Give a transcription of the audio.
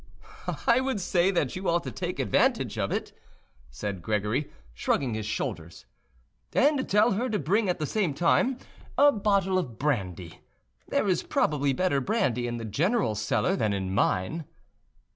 "I would say that you ought to take advantage of it," said Gregory, shrugging his shoulders, "and tell her to bring at the same time a bottle of brandy. There is probably better brandy in the general's cellar than in mine."